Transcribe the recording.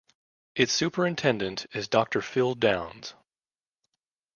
Its superintendent is Dr.Phil Downs.